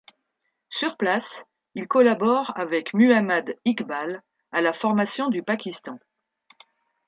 Sur place, il collabore, avec Muhammad Iqbal, à la formation du Pakistan.